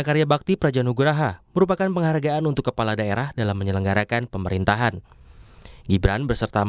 mendapat tanda kehormatan atas penyelenggaran pemerintahan